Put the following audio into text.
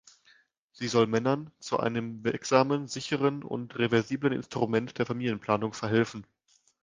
Sie soll Männern zu einem wirksamen, sicheren und reversiblen Instrument der Familienplanung verhelfen.